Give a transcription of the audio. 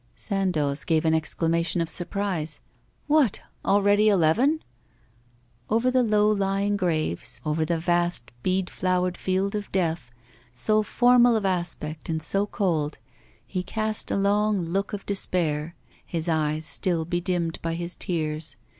Sandoz gave an exclamation of surprise: 'What, already eleven?' Over the low lying graves, over the vast bead flowered field of death, so formal of aspect and so cold, he cast a long look of despair, his eyes still bedimmed by his tears.